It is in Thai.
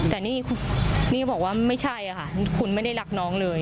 แต่นี่บอกว่าไม่ใช่ค่ะคุณไม่ได้รักน้องเลย